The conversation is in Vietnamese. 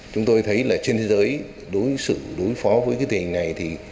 chúng tôi thấy là trên thế giới đối xử đối phó với cái tình hình này thì